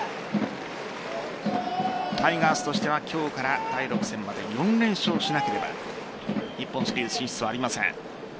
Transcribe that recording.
タイガースとしては今日から第６戦まで４連勝しなければ日本シリーズ進出はありません。